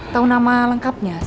kamu udah lapar polisi